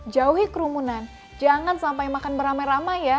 jauhi kerumunan jangan sampai makan beramai ramai ya